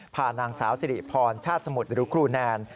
พานางสาวสิริพรชาติสมุทรหรือครูแนน